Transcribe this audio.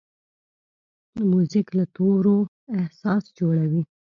موزیک له تورو احساس جوړوي.